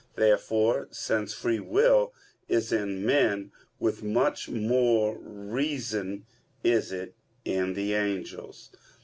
Therefore, since free will is in men, with much more reason is it in the angels.